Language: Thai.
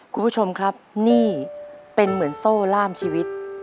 คุณผู้ชมครับนี่เป็นเหมือนโซ่ล่ามชีวิต